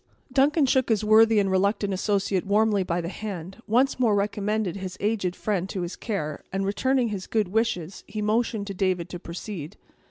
Duncan shook his worthy and reluctant associate warmly by the hand, once more recommended his aged friend to his care, and returning his good wishes, he motioned to David to proceed.